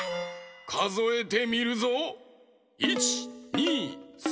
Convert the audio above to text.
かぞえてみるぞ。